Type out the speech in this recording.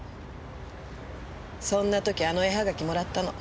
そんな時あの絵はがきもらったの。